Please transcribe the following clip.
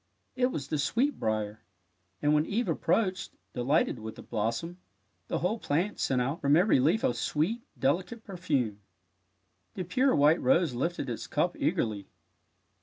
It was the sweet brier, and when Eve approached, delighted with the blossom, the whole plant sent out 107 108 THE WILD ROSE from every leaf a sweet, delicate perfume. The pure white rose lifted its cup eagerly.